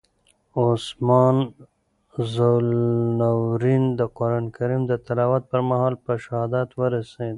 عثمان ذوالنورین د قرآن کریم د تلاوت پر مهال په شهادت ورسېد.